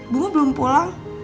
bunga belum pulang